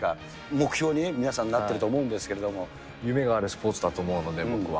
目標にね、皆さん、なってると思夢があるスポーツだと思うので、僕は。